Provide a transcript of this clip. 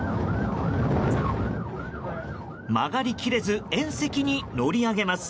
曲がり切れず縁石に乗り上げます。